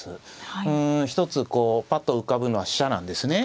うん一つこうパッと浮かぶのは飛車なんですね。